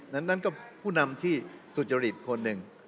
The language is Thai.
นั้นก็ผู้นำที่สุจริตคนหนึ่ง